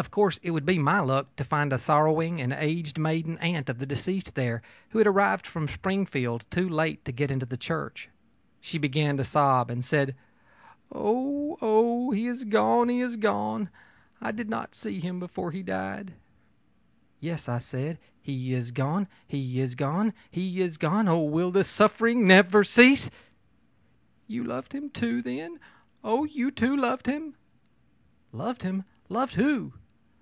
Of course it would be my luck to find a sorrowing and aged maiden aunt of the deceased there, who had arrived from Springfield too late to get into the church. She began to sob, and said: ō'Oh, oh, he is gone, he is gone, and I didn't see him before he died!' ō'Yes!' I said, 'he is gone, he is gone, he is gone oh, will this suffering never cease!' ō'You loved him, then! Oh, you too loved him!' ō'Loved him! Loved who?'